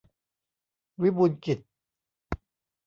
วิบูลย์กิจ